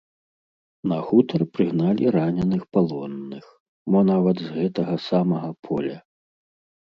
На хутар прыгналі раненых палонных, мо нават з гэтага самага поля.